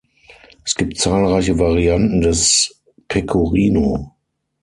Es gibt zahlreiche Varianten des Pecorino.